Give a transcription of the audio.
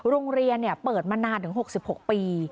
โรงเรียนเปิดมานานถึง๖๖ปี